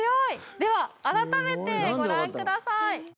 では改めてご覧ください